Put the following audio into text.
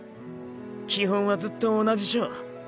基本はずっと同じショ。